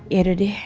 ya udah deh